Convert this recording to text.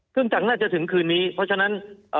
เครื่องจักรน่าจะถึงคืนนี้เพราะฉะนั้น